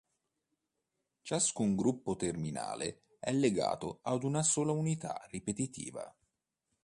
Ciascun gruppo terminale è legato ad una sola unità ripetitiva.